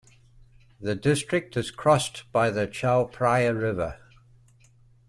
The district is crossed by the Chao Phraya River.